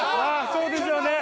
そうですよね。